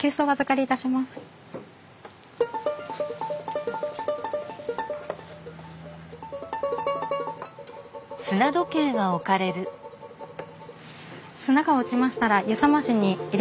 砂が落ちましたら湯冷ましに入れ替えてお飲みください。